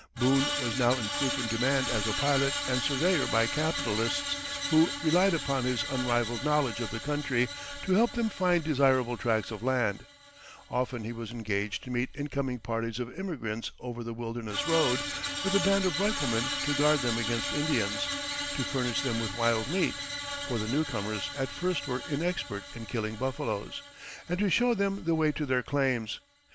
Boone was now in frequent demand as a pilot and surveyor by capitalists who relied upon his unrivaled knowledge of the country to help them find desirable tracts of land; often he was engaged to meet incoming parties of immigrants over the Wilderness Road, with a band of riflemen to guard them against Indians, to furnish them with wild meat for the newcomers at first were inexpert in killing buffaloes and to show them the way to their claims.